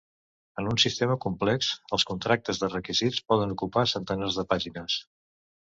En un sistema complex, els contractes de requisits poden ocupar centenars de pàgines.